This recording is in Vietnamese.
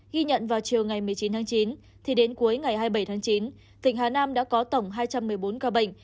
ghi nhận vào chiều ngày một mươi chín tháng chín thì đến cuối ngày hai mươi bảy tháng chín tỉnh hà nam đã có tổng hai trăm một mươi bốn ca bệnh